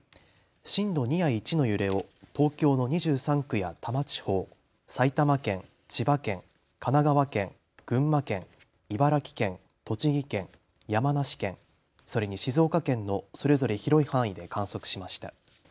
震度２や１の揺れを東京の２３区や多摩地方、埼玉県、千葉県、神奈川県、群馬県、茨城県、栃木県、山梨県、それに静岡県のそれぞれ広い範囲で観測しました。